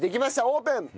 オープン！